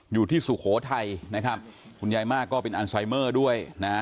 สุโขทัยนะครับคุณยายมากก็เป็นอันไซเมอร์ด้วยนะ